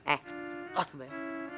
eh awas mbak